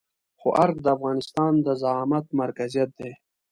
خو ارګ د افغانستان د زعامت مرکزيت دی.